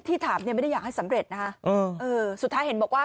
ถามเนี่ยไม่ได้อยากให้สำเร็จนะฮะสุดท้ายเห็นบอกว่า